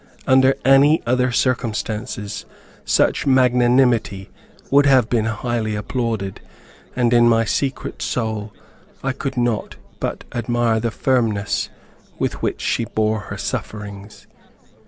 Under any other circumstances such magnanimity would have been highly applauded, and in my secret soul I could not but admire the firmness with which she bore her sufferings.